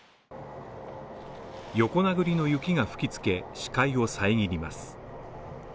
横殴りの雪が吹き付け、視界を遮ります。